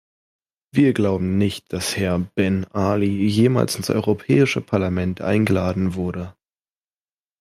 Wir glauben nicht, dass Herr Ben Ali jemals ins Europäische Parlament eingeladen wurde.